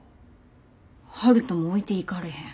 悠人も置いていかれへん。